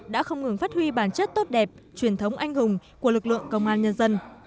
đã không ngừng phát huy bản chất tốt đẹp truyền thống anh hùng của lực lượng công an nhân dân